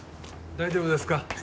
大丈夫です。